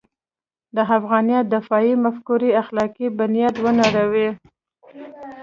د افغانیت دفاعي مفکورې اخلاقي بنیاد ونړوي.